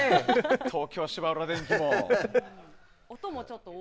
東京芝浦電機も。